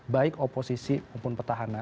baik oposisi maupun petahannya